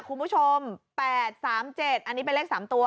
คุณผู้ชมแปดสามเจ็ดอันนี้เป็นเลขสามตัว